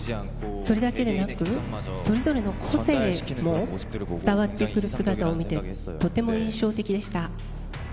それだけでなく、それぞれの個性も伝わってくる姿を見て、とても印象的でした。